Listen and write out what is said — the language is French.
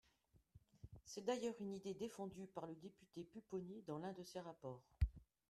C’est d’ailleurs une idée défendue par le député Pupponi dans l’un de ses rapports.